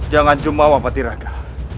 jangan jumlah wapati raga